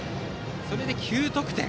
それで９得点。